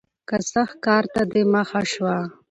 که سخت کار ته دې مخه شوه